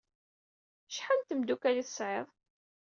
Acḥal n tmeddukal ay tesɛiḍ?